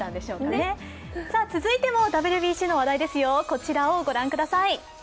続いてもＷＢＣの話題ですよ、こちらをご覧ください。